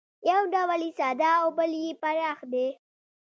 یو ډول یې ساده او بل یې پراخ دی